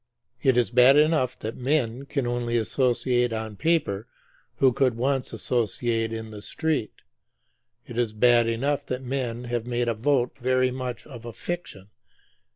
It is bad enough that men can only associate on paper who could once associate in the street; it is bad enough that men have made a vote very much of a fiction.